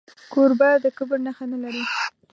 کوربه د کبر نښه نه لري.